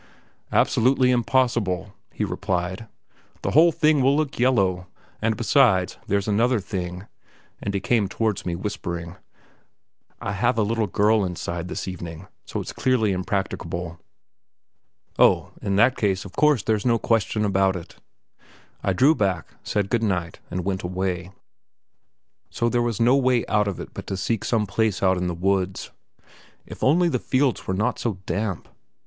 "Absolutely impossible," he replied; "the whole thing will look yellow; and, besides, there's another thing" and he came towards me, whispering: "I have a little girl inside this evening, so it's clearly impracticable." "Oh, in that case, of course there's no question about it." I drew back, said good night, and went away. So there was no way out of it but to seek some place out in the woods. If only the fields were not so damp.